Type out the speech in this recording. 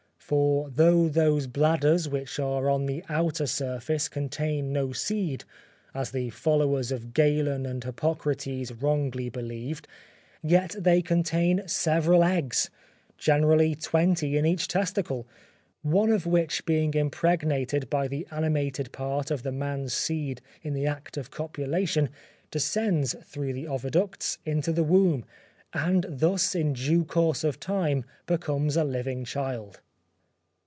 For though those bladders which are on the outer surface contain no seed, as the followers of Galen and Hippocrates wrongly believed, yet they contain several eggs, generally twenty in each testicle; one of which being impregnated by the animated part of the man's seed in the act of copulation, descends through the oviducts into the womb, and thus in due course of time becomes a living child.